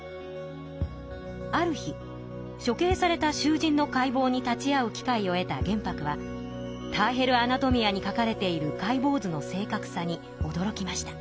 ある日しょけいされたしゅうじんの解剖に立ち会う機会を得た玄白は「ターヘル・アナトミア」にかかれている解剖図の正確さにおどろきました。